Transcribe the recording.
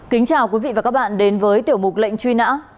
kính chào quý vị và các bạn đến với tiểu mục lệnh truy nã